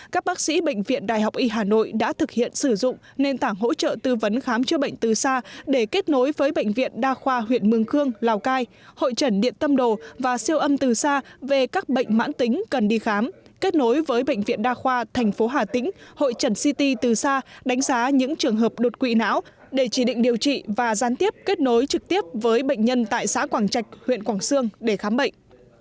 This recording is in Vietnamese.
các bác sĩ bệnh viện đại học y hà nội đã thực hiện sử dụng nền tảng hỗ trợ tư vấn khám chữa bệnh từ xa để kết nối với bệnh viện đa khoa huyện mương khương lào cai hội trần điện tâm đồ và siêu âm từ xa về các bệnh mãn tính cần đi khám kết nối với bệnh viện đa khoa thành phố hà tĩnh hội trần city từ xa đánh giá những trường hợp đột quỵ não để chỉ định điều trị và gián tiếp kết nối trực tiếp với bệnh nhân tại xã quảng trạch huyện quảng sương để khám bệnh